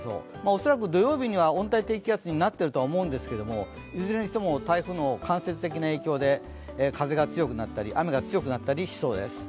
恐らく土曜日には温帯低気圧にはなってると思うんですがいずれにしても台風の間接的な影響で風が強くなったり、雨が強くなったりしそうです。